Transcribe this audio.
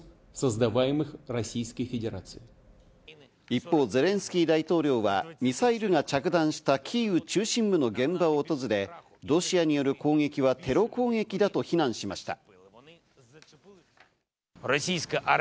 一方、ゼレンスキー大統領はミサイルが着弾したキーウ中心部の現場を訪れ、ロシアによる攻撃はテロ攻撃だと非難しました。